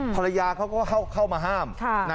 ภรรยาเขาก็เข้ามาห้าม